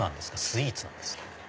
スイーツなんですか？